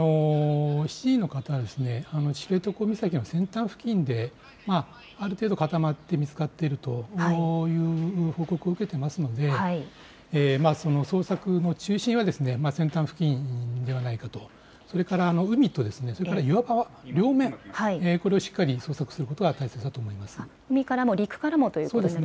７人の方は知床岬の先端付近である程度固まって見つかっているという報告を受けているので捜索の中心は先端付近ではないかと、それから海と岩場、両面これをしっかり捜索することが大切だと思います。